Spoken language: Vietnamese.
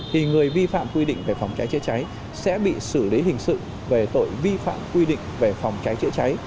thì người vi phạm quy định về phòng cháy chữa cháy sẽ bị xử lý hình sự về tội vi phạm quy định về phòng cháy chữa cháy